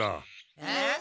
えっ？